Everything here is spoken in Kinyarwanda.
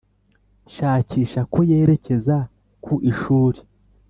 shakisha ko yerekeza ku ishuri.